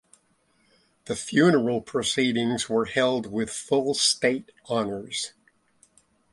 The funeral proceedings were held with full state honors.